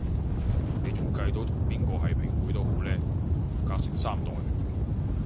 你仲計到同邊個係平輩都好叻，隔成三代